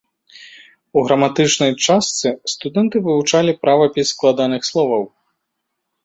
У граматычнай частцы студэнты вывучалі правапіс складаных словаў.